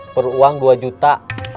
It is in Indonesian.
peruang dua juta